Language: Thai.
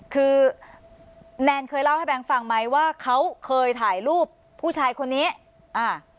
คือแนนเคยเล่าให้แบงค์ฟังไหมว่าเขาเคยถ่ายรูปผู้ชายคนนี้อ่า